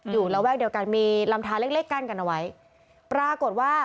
ระแวกเดียวกันมีลำทาเล็กเล็กกั้นกันเอาไว้ปรากฏว่า